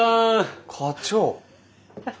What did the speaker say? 課長！？